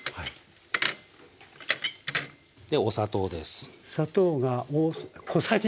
でお砂糖です。